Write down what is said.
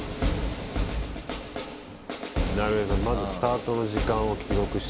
まずスタートの時間を記録して映して。